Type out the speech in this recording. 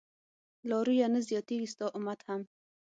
لارويه نه زياتېږي ستا امت هم